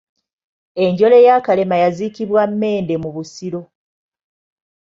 Enjole ya Kalema yaziikibwa Mmende mu Busiro.